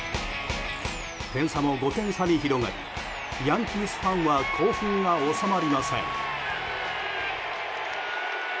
点差も５点差に広がりヤンキースファンは興奮が収まりません。